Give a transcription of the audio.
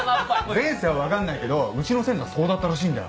前世は分かんないけどうちの先祖はそうだったらしいんだよ。